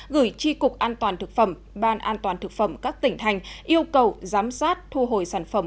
gửi tri cục an toàn thực phẩm ban an toàn thực phẩm các tỉnh thành yêu cầu giám sát thu hồi sản phẩm